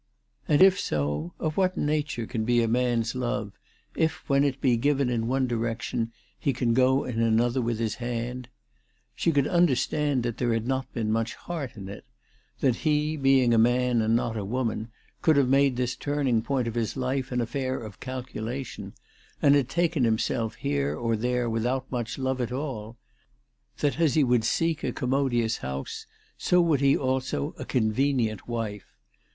And if so, of what nature can. be a man's love, if when it be given in one direction, he can go in another with his hand ? She could under stand that there had not been much heart in it ; that he, being a man and not a woman, could have made this turning point of his life an affair of calculation, and had taken himself here or there without much love at all ; that as he would seek a commodious house, so would he also a convenient wife.